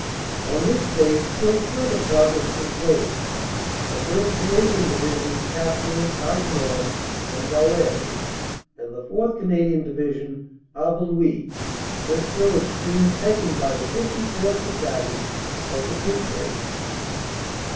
On this date still further pro gress was made, the 1st. Canadian Division capturing Hasnon and Wallers and the 4th. Canadian Division Haveluy, this village being taken by the 54th. Battalion, of the Kootenay.